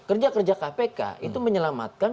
kerja kerja kpk itu menyelamatkan